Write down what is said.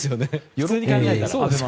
普通に考えたら。